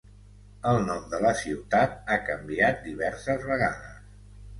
El nom de la ciutat ha canviat diverses vegades.